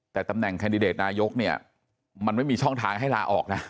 แต่ตำแหน่งแคนดิเดตนายกเนี่ยมันไม่มีช่องทางให้ลาออกนะ